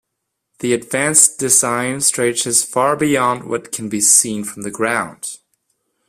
The advanced design stretches far beyond what can be seen from the ground.